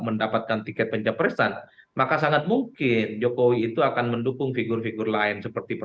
mendapatkan tiket pencapresan maka sangat mungkin jokowi itu akan mendukung figur figur lain seperti